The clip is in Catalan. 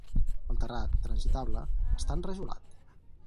El terrat, transitable, està enrajolat.